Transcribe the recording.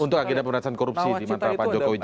untuk agenda penatasan korupsi di mantra pak jokowi jk